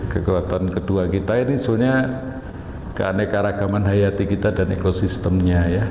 kekuatan kedua kita ini soalnya keaneka ragaman hayati kita dan ekosistemnya ya